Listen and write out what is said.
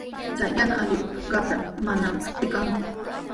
Chay yana allqu qamprami, manami rikanku.